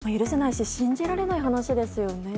許せないし信じられない話ですよね。